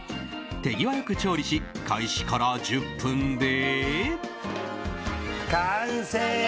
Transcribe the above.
手際良く調理し開始から１０分で。